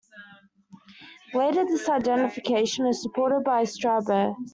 Later this identification is supported by Strabo.